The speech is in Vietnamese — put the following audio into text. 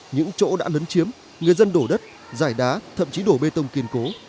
những chỗ đã lấn chiếm người dân đổ đất giải đá thậm chí đổ bê tông kiên cố